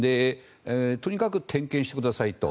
とにかく点検してくださいと。